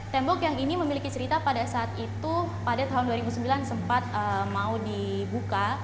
tembok yang ini memiliki cerita pada saat itu pada tahun dua ribu sembilan sempat mau dibuka